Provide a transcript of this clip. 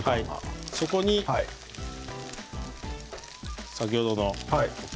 ここに先ほどの。